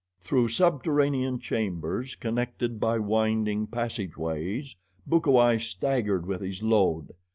Through subterranean chambers, connected by winding passageways, Bukawai staggered with his load.